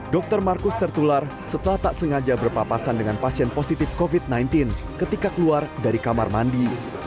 dr markus tertular setelah tak sengaja berpapasan dengan pasien positif covid sembilan belas ketika keluar dari kamar mandi